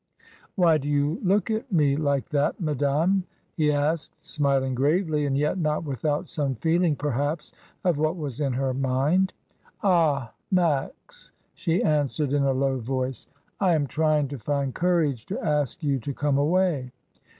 214 ^<^^ DYMOND. "Why do you look at me like that, madame?" he asked smiling gravely, and yet not without some feeling perhaps of what was in her mind. "Ah! Max!" she answered in a low voice, "I am trying to find courage to ask you to come away.